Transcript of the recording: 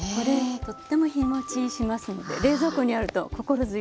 とっても日もちしますので冷蔵庫にあると心強い。